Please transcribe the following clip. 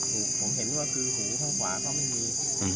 เห็นว่าคือฮูขวาก็ไม่ดี